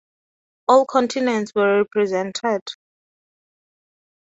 All continents were represented.